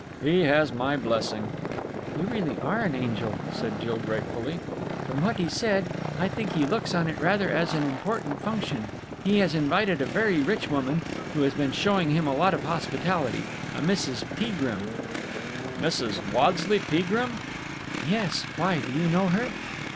"He has my blessing." "You really are an angel," said Jill gratefully. "From what he said, I think he looks on it as rather an important function. He has invited a very rich woman, who has been showing him a lot of hospitality a Mrs. Peagrim...." "Mrs. Waddesleigh Peagrim?" "Yes? Why, do you know her?"